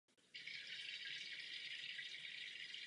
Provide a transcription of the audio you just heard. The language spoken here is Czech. Jak se měnilo složení skupiny měnilo se občas i jméno skupiny.